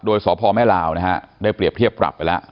โดยสพแม่ลาวนะฮะได้เปรียบเทียบปรับไปแล้ว